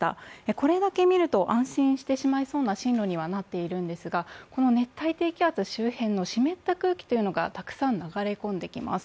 これだけ見ると安心してしまいそうな進路にはなっているんですが、この熱帯低気圧周辺の湿った空気がたくさん流れ込んできます。